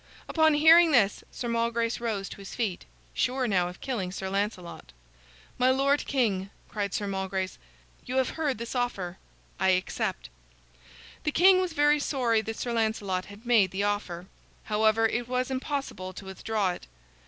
Upon hearing this, Sir Malgrace rose to his feet, sure now of killing Sir Lancelot. "My lord King," cried Sir Malgrace, "you have heard this offer. I accept." The king was very sorry that Sir Lancelot had made the offer. However, it was impossible to withdraw it.